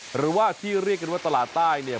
หรือว่าที่เรียกกันว่าตลาดใต้เนี่ย